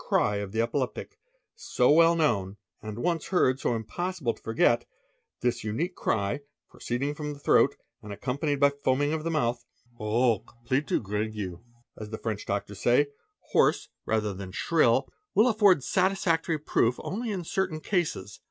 cry of the epileptic, so all known and, once heard, so impossible to forget, this unique cry, poe 2 A ec ding from the throat and accompanied by foaming at the mouth, We plutot qwaigu," as the French Doctors say, "hoarse rather than 320 PRACTICES OF CRIMINALS shrill," will afford satisfactory proof only in certain cases.